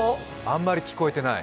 あんまり聞こえてない。